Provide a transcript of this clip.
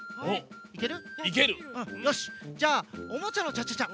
よしじゃあ「おもちゃのチャチャチャ」！